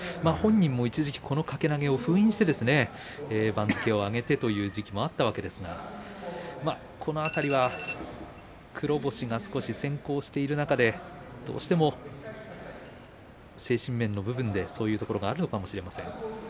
本人も一時期掛け投げを封印して番付を上げてという時期もあったわけですがこの辺りは黒星が少し先行している中で、どうしても精神面の部分でそういうところがあるのかもしれません。